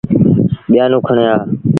ٻيآنون کڻي آ۔